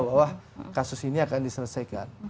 bahwa kasus ini akan diselesaikan